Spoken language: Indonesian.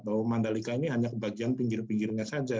bahwa mandalika ini hanya bagian pinggir pinggirnya saja